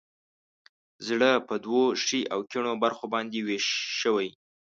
زړه په دوو ښي او کیڼو برخو باندې ویش شوی.